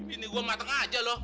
ini gue mateng aja loh